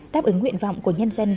đáp ứng nguyện vọng của nhân dân